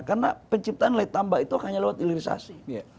karena penciptaan nilai tambah itu hanya lewat hilirisasi